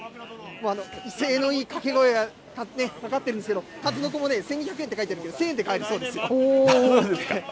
威勢のいい掛け声がかかってるんですけど、かずのこも１２００円って書いてるんですけど、１０００円で買えるそうですよ。